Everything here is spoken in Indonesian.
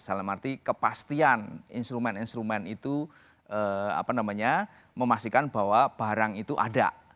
dalam arti kepastian instrumen instrumen itu memastikan bahwa barang itu ada